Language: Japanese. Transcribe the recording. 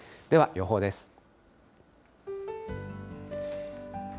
では予報です。